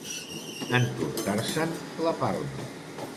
Emportar-se'n la palma.